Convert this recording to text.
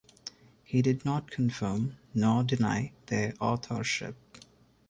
He did not confirm nor deny their authorship.